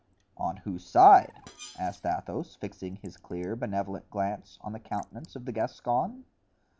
"On whose side?" asked Athos, fixing his clear, benevolent glance on the countenance of the Gascon.